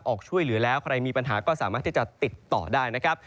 ออกช่วยเหลือแล้วใครมีปัญหาก็สามารถที่จะติดต่อได้นะครับ